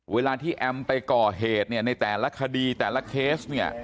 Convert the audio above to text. เวลาที่แอมพ์ไปก่อเหตุในแต่ละคดีแต่ละเคส